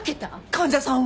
患者さんを？